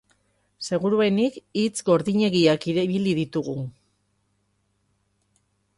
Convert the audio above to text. Seguruenik, hitz gordinegiak ibili ditugu.